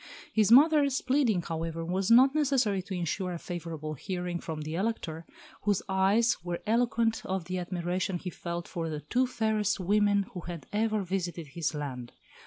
His mother's pleading, however, was not necessary to ensure a favourable hearing from the Elector, whose eyes were eloquent of the admiration he felt for the two fairest women who had ever visited his land.